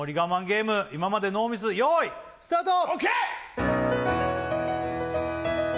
ゲーム今までノーミス用意スタートＯＫ！